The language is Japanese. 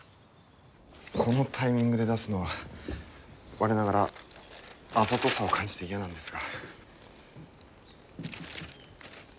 このタイミングで出すのは我ながらあざとさを感じて嫌なんですが。